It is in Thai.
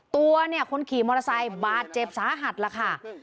ตัวเนี่ยคนขี่มอเตอร์ไซค์บาดเจ็บสาหัสล่ะค่ะ